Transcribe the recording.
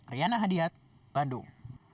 riana hadiat bandung